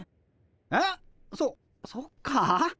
えっそそっか。